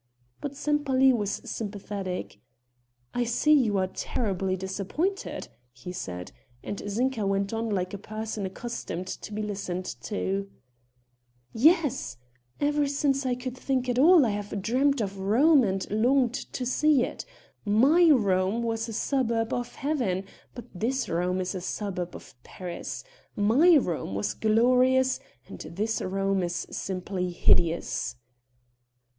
But Sempaly was sympathetic. "I see you are terribly disappointed," he said, and Zinka went on like a person accustomed to be listened to. "Yes, ever since I could think at all I have dreamed of Rome and longed to see it. My Rome was a suburb of Heaven, but this Rome is a suburb of Paris. My Rome was glorious and this Rome is simply hideous."